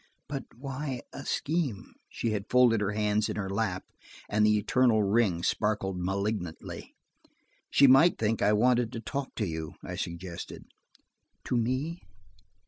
"But why–a scheme?" She had folded her hands in her lap, and the eternal ring sparkled malignantly. "They might think I wanted to talk to you," I suggested. "To me?"